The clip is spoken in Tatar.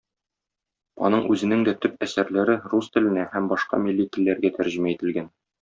Аның үзенең дә төп әсәрләре рус теленә һәм башка милли телләргә тәрҗемә ителгән.